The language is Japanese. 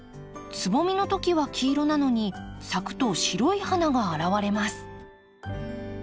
つぼみの時は黄色なのに咲くと白い花が現れます。